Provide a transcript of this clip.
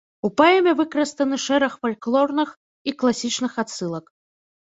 У паэме выкарыстаны шэраг фальклорных і класічных адсылак.